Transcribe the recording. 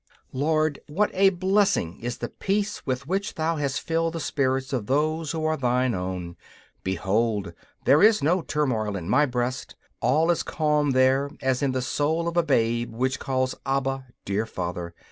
Lord, what a blessing is the peace with which Thou hast filled the spirits of those who are Thine own! Behold, there is no turmoil in my breast; all is calm there as in the soul of a babe which calls 'Abba,' dear Father.